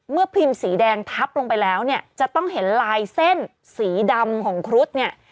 พิมพ์สีแดงทับลงไปแล้วเนี่ยจะต้องเห็นลายเส้นสีดำของครุฑเนี่ย